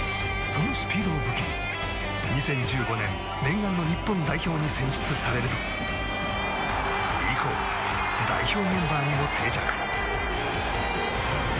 そのスピードを武器に２０１５年念願の日本代表に選出されると以降、代表メンバーにも定着。